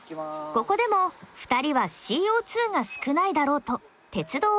ここでも２人はＣＯが少ないだろうと鉄道を選択。